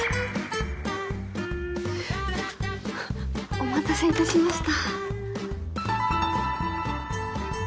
お待たせいたしました。